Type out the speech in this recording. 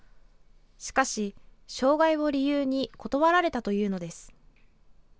しかし、障害を理由に断られたというのです。